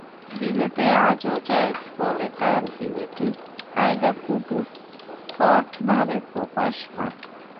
বিলেতে আজও যায় নি বলে তার বিলিতি কায়দা খুব উৎকটভাবে প্রকাশমান।